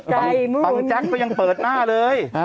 ใก่มุนบังจั๊กย์ก็ยังเปิดหน้าเลย